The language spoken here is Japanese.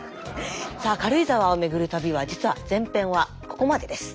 さあ軽井沢を巡る旅は実は前編はここまでです。